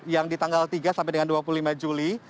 yang di tanggal tiga sampai dengan dua puluh lima juli